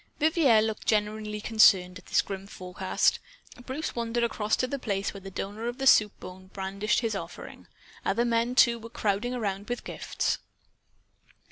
Vivier looked genuinely concerned at this grim forecast. Bruce wandered across to the place where the donor of the soup bone brandished his offering. Other men, too, were crowding around with gifts.